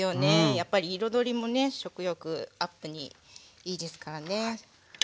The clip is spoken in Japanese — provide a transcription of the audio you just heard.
やっぱり彩りもね食欲アップにいいですからね。